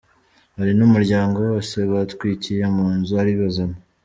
Hari n’umuryango wose batwikiye mu nzu ari bazima.”